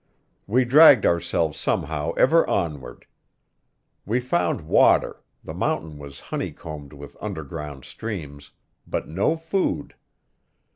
We dragged ourselves somehow ever onward. We found water; the mountain was honeycombed with underground streams; but no food.